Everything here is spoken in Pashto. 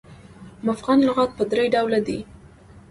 مفغن لغات پر درې ډوله دي.